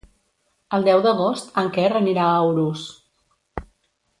El deu d'agost en Quer anirà a Urús.